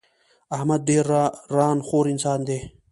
احمد ډېر ًران خور انسان دی.